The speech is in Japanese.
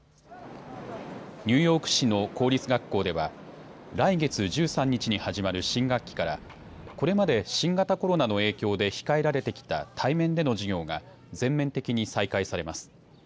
ニューヨーク市の公立学校では来月１３日に始まる新学期からこれまで新型コロナの影響で控えられてきた対面での授業が全面的に再開されます。